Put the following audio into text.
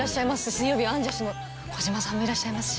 水曜日はアンジャッシュの児嶋さんもいらっしゃいますし。